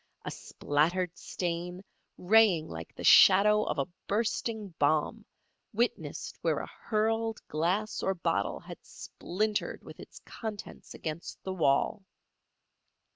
A splattered stain, raying like the shadow of a bursting bomb, witnessed where a hurled glass or bottle had splintered with its contents against the wall.